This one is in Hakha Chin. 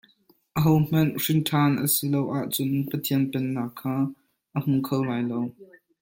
Ahohmanh hrinṭhan a si lo ahcun Pathian pennak kha a hmu kho lai lo.